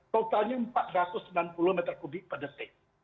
totalnya empat ratus sembilan puluh m tiga per detik